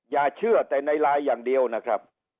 อย่าเชื่อแต่ในไลน์อย่างเดียวนะครับ